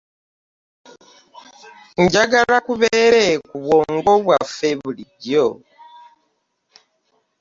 Njagala kibeere ku bwongo bwaffe bulijjo.